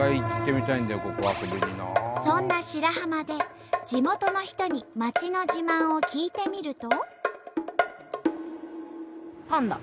そんな白浜で地元の人に町の自慢を聞いてみると。